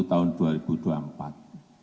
tapi tidak ada penyelenggaraan pemilu